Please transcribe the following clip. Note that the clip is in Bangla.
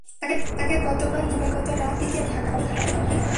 তাঁকে গতকাল দিবাগত রাত একটার দিকে ঢাকা মেডিকেল কলেজ হাসপাতালে নেওয়া হয়।